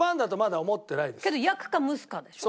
けど焼くか蒸すかでしょ？